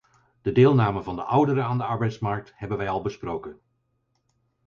De deelname van de ouderen aan de arbeidsmarkt hebben wij al besproken.